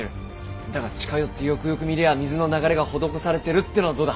だが近寄ってよくよく見りゃあ水の流れが施されてるってのはどうだ？